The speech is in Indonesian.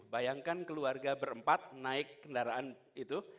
bayangkan keluarga berempat naik kendaraan itu